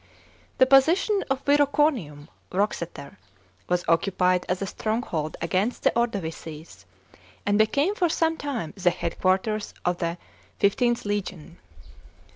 The position of Viroconium, (Wroxeter), was occupied as a stronghold against the Ordovices and became for some time the headquarters of the XlVth legion.